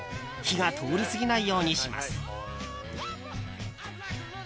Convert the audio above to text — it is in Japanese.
火が通りすぎないようにします。